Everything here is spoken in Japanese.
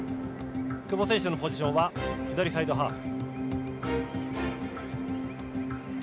久保選手のポジションは左サイドハーフ。